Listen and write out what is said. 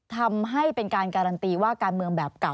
ทำให้เป็นการการันตีว่าการเมืองแบบเก่า